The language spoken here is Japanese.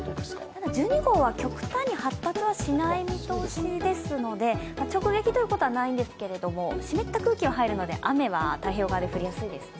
ただ１２号は極端に発達はしない見通しですので直撃ということはないんですけど、湿った空気は入るので雨は太平洋側で降りやすいですね。